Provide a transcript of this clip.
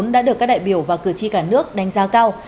đã được các đại biểu và cử tri cả nước đánh giá cao